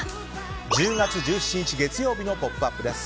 １０月１７日、月曜日の「ポップＵＰ！」です。